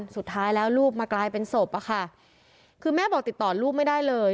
สุดท้ายแล้วลูกมากลายเป็นศพอะค่ะคือแม่บอกติดต่อลูกไม่ได้เลย